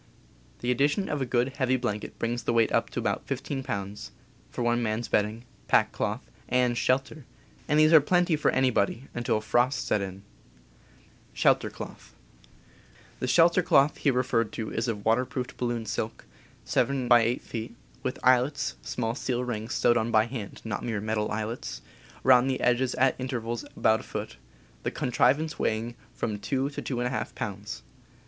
The addition of a good, heavy blanket brings the weight up to about 15 pounds, for one man's bedding, pack cloth, and shelter — and these are plenty for anybody until frosts set in. (The shelter cloth here referred to is of waterproofed balloon silk, 7x8 feet, with eyelets (small steel rings p, sewed on by hand, not mere metal eye bnelter Llotn. j^^^^ around the edges at intervals of about a foot, the contrivance weighing from 2 to 2^ pounds?)